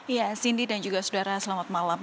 ya cindy dan juga saudara selamat malam